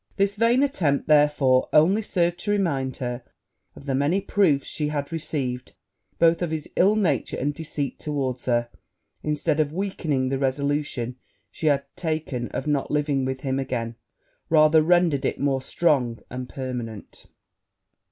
This vain attempt therefore only served to remind her of the many proofs she had received both of his ill nature and deceit towards her; and, instead of weakening the resolution she had taken of not living with him again, rather rendered it more strong and permanent.